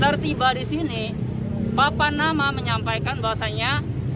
tertiba disini papa nama menyampaikan bahwasannya